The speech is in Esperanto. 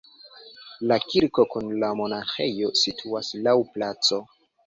La kirko kun la monaĥejo situas laŭ placo.